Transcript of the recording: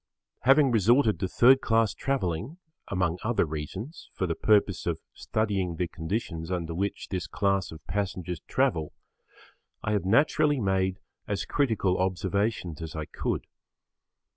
Having resorted to third class travelling, among other reasons, for the purpose of studying the conditions under which this class of passengers travel, I have naturally made as critical observations as I could.